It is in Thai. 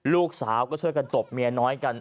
ลูกสาวก็ช่วยกันตบเมียน้อยกัน